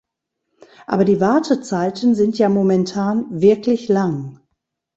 Aber die Wartezeiten sind ja momentan wirklich lang.